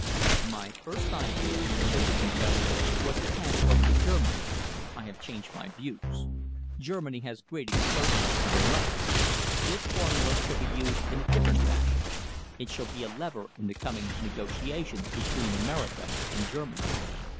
"My first idea," Fischer confessed, "was to hand it over to Germany. I have changed my views. Germany has great explosives of her own. This formula shall be used in a different fashion. It shall be a lever in the coming negotiations between America and Germany."